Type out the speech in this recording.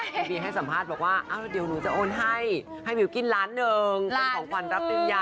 คุณบีให้สัมภาษณ์บอกว่าเดี๋ยวหนูจะโอนให้ให้มิวกินล้านหนึ่งเป็นของขวัญรับปริญญา